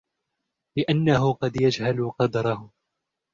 لِأَنَّهُ قَدْ يَجْهَلُ قَدْرَهُ